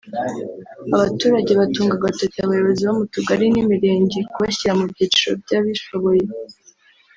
Abaturage batunga agatoki abayobozi bo mu tugari n’imirenge kubashyira mu byiciro by’abishoboye